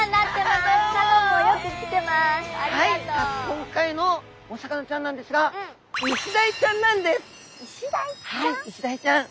今回のお魚ちゃんなんですがイシダイちゃん！